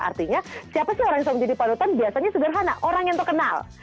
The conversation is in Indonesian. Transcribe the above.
artinya siapa sih orang yang selalu menjadi panutan biasanya sederhana orang yang terkenal